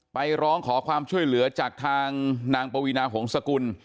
ร้องขอความช่วยเหลือจากทางนางปวีนาหงษกุล